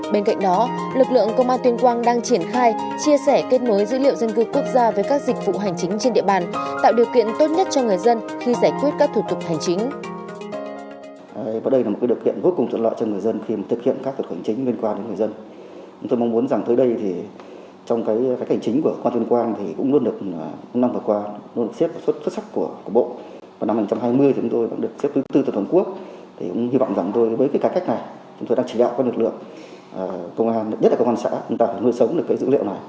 bên cạnh đó lực lượng công an tuyên quang đang triển khai chia sẻ kết nối dữ liệu dân cư quốc gia với các dịch vụ hành chính trên địa bàn tạo điều kiện tốt nhất cho người dân khi giải quyết các thủ tục hành chính